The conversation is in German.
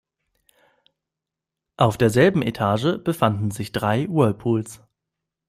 Auf derselben Etage befanden sich drei Whirlpools.